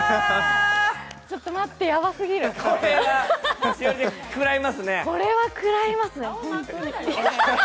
ちょっと待って、ヤバすぎるこれはくらいますね、本当に。